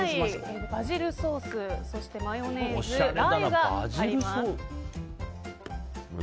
バジルソース、マヨネーズラー油があります。